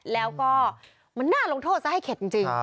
แล้วก็มันน่าลงโทษซะให้เข็ดจริง